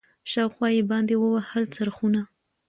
شاوخوا یې باندي ووهل څرخونه